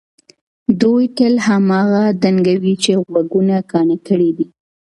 دوی تل هماغه ډنګوي چې غوږونه کاڼه کړي دي.